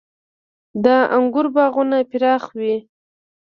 • د انګورو باغونه پراخ وي.